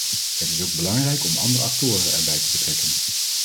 Het is ook belangrijk om andere actoren erbij te betrekken.